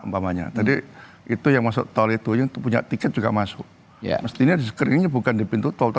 umpamanya tadi itu yang masuk tol itu yang itu punya tiket juga masuk ya mestinya di screeningnya bukan di peringkat yang lainnya